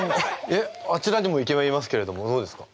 えっあちらにもイケメンいますけれどもどうですか？